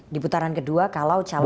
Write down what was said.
di putaran kedua kalau calon